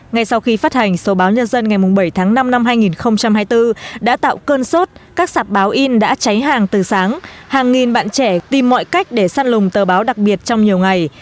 ngay sau khi phát hành số báo nhân dân ngày bảy tháng năm năm hai nghìn hai mươi bốn đã tạo cơn sốt các sạp báo in đã cháy hàng từ sáng hàng nghìn bạn trẻ tìm mọi cách để săn lùng tờ báo đặc biệt trong nhiều ngày